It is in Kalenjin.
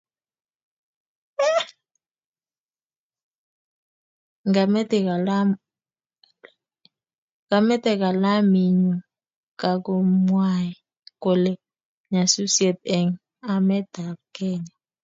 ngameti kalaminyu kogatmwae kole nyasusiet eng emetab Kenya